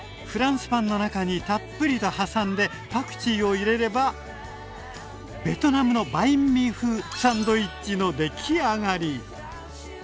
フランスパンの中にたっぷりと挟んでパクチーを入れればベトナムのバインミー風サンドイッチのできあがり。